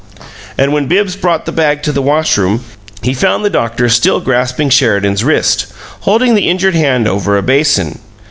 And when Bibbs brought the bag to the washroom he found the doctor still grasping Sheridan's wrist, holding the injured hand over a basin.